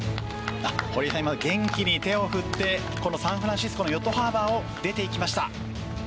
今、元気に手を振ってこのサンフランシスコのヨットハーバーを出ていきました。